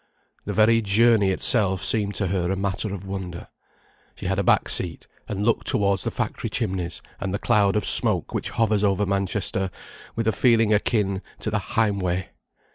The very journey itself seemed to her a matter of wonder. She had a back seat, and looked towards the factory chimneys, and the cloud of smoke which hovers over Manchester, with a feeling akin to the "Heimweh."